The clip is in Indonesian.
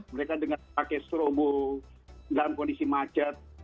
mereka dengan pakai strobo dalam kondisi macet